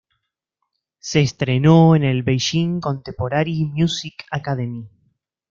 Se entrenó en el "Beijing Contemporary Music Academy".